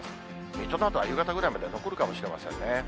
水戸などは夕方ぐらいまで残るかもしれませんね。